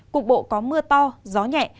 cục bộ có mưa to gió nhẹ